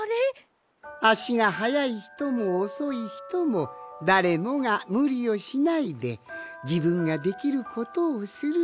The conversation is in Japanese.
あしがはやいひともおそいひともだれもがむりをしないでじぶんができることをする。